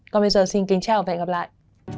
còn bây giờ xin kính chào và hẹn gặp lại